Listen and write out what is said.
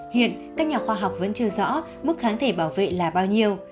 hiện các nhà khoa học vẫn chưa rõ mức kháng thể bảo vệ là bao nhiêu